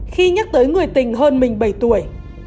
khi nhắc tới người tình hơn mình bảy tuổi